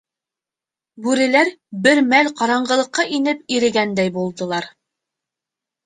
Бүреләр бер мәл ҡараңғылыҡҡа инеп ирегәндәй булдылар.